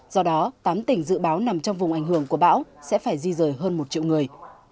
do đó tám tỉnh dự báo nằm trong vùng ảnh hưởng của bão sẽ phải di rời hơn một triệu người